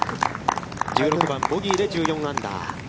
１６番ボギーで１４アンダー。